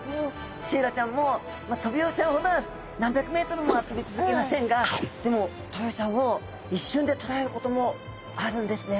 シイラちゃんもトビウオちゃんほどは何百メートルもは飛び続けませんがでもトビウオちゃんを一瞬でとらえることもあるんですね。